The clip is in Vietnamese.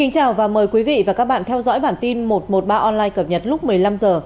chào mừng quý vị đến với bản tin một trăm một mươi ba online cập nhật lúc một mươi năm h